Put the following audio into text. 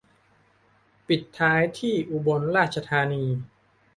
ปิดท้ายที่อุบลราชธานี